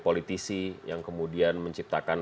politisi yang kemudian menciptakan